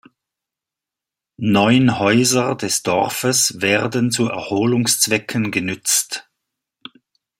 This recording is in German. Neun Häuser des Dorfes werden zu Erholungszwecken genützt.